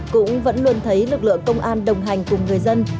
cũng vẫn luôn thấy lực lượng công an đồng hành cùng người dân